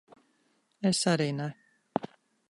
Es arī ne.